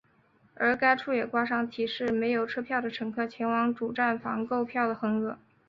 而该处也挂上提示没有车票的乘客前往主站房购票的横额。